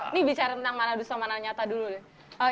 ini bicara tentang mana dusa mana nyata dulu deh